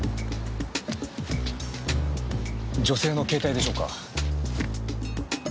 女性の携帯でしょうか？